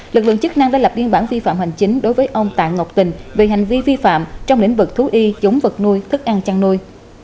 lực lượng chức năng đã lập biên bản vi phạm hành chính đối với ông tạ ngọc tình về hành vi vi phạm trong lĩnh vực thú y giống vật nuôi thức ăn chăn nuôi